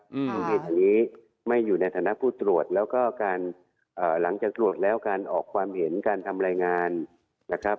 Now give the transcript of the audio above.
มูลเหตุอย่างนี้ไม่อยู่ในฐานะผู้ตรวจแล้วก็การเอ่อหลังจากตรวจแล้วการออกความเห็นการทำรายงานนะครับ